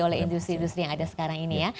oleh industri industri yang ada sekarang ini ya